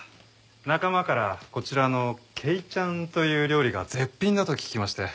仲間からこちらのケイチャンという料理が絶品だと聞きまして。